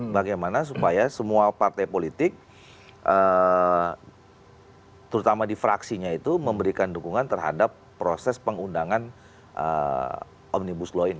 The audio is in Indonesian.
bagaimana supaya semua partai politik terutama di fraksinya itu memberikan dukungan terhadap proses pengundangan omnibus law ini